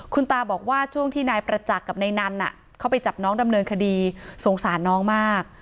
คุณตาบอกว่าช่วงที่นายประจักษ์กับนายนันเข้าไปจับน้องดำเนินคดีสงสารน้องมาก